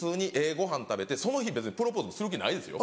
ごはん食べてその日別にプロポーズする気ないですよ。